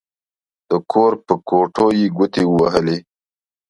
د کور په کوټو يې ګوتې ووهلې.